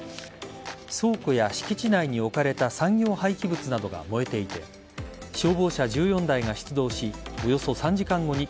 倉庫や敷地内に置かれた産業廃棄物などが燃えていて消防車１４台が出動しおよそ３時間後に